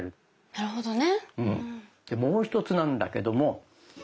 なるほどね。